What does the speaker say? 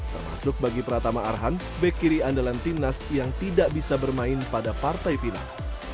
termasuk bagi pratama arhan back kiri andalan timnas yang tidak bisa bermain pada partai final